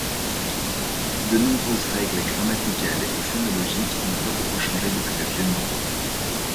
De nombreuses règles grammaticales et phonologiques n'ont pas beaucoup changé depuis le vieux norrois.